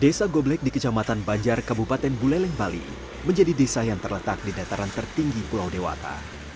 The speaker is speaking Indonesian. desa goblek di kecamatan banjar kabupaten buleleng bali menjadi desa yang terletak di dataran tertinggi pulau dewata